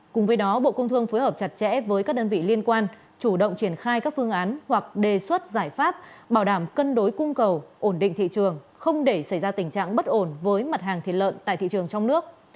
cùng với đó bộ công thương phối hợp chặt chẽ với các đơn vị liên quan chủ động triển khai các phương án hoặc đề xuất giải pháp bảo đảm cân đối cung cầu ổn định thị trường không để xảy ra tình trạng bất ổn với mặt hàng thịt lợn tại thị trường trong nước